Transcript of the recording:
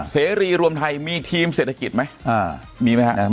เสรีรวมไทยมีทีมเศรษฐกิจไหมมีไหมครับ